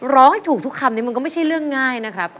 ร้องให้ถูกทุกคำนี้มันก็ไม่ใช่เรื่องง่ายนะครับ